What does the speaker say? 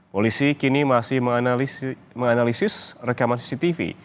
polisi kini masih menganalisis rekaman cctv